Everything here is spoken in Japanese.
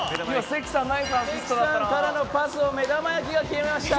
関さんからのパスを目玉焼きが決めました。